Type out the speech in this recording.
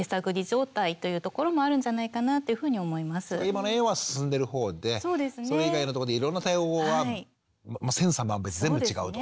今の園は進んでる方でそれ以外のとこでいろんな対応は千差万別全部違うと。